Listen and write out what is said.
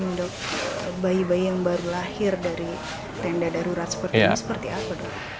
untuk bayi bayi yang baru lahir dari tenda darurat seperti ini seperti apa dok